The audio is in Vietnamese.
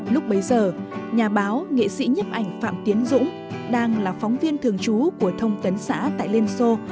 lúc bấy giờ nhà báo nghệ sĩ nhấp ảnh phạm tiến dũng đang là phóng viên thường trú của thông tấn xã tại liên xô